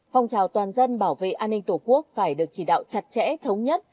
phong trào toàn dân bảo vệ an ninh tổ quốc phải được chỉ đạo chặt chẽ thống nhất